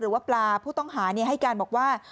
หรือว่าปลาผู้ต้องหาให้การบอกว่า